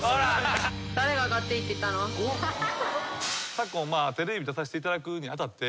昨今テレビに出させていただくに当たって。